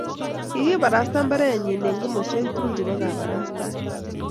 kikabarasta baretnyin eng' komoswek tugul chebo kabarastaet.